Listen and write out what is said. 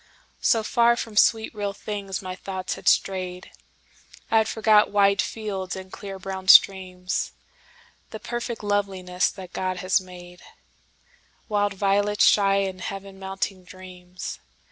So far from sweet real things my thoughts had strayed,I had forgot wide fields, and clear brown streams; The perfect loveliness that God has made,—Wild violets shy and Heaven mounting dreams.